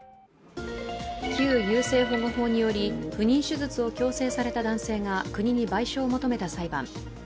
旧優生保護法により不妊手術を強制された男性が国に賠償を求めた裁判。